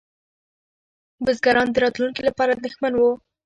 بزګران د راتلونکي لپاره اندېښمن وو.